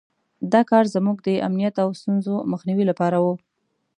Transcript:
دا کار زموږ د امنیت او د ستونزو مخنیوي لپاره وو.